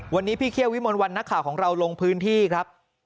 วันนี้พี่เคี่ยววิมลวันนักข่าวของเราลงพื้นที่ครับ